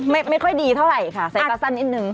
ไม่ค่อยดีเท่าไหร่ค่ะใส่ตาสั้นนิดนึง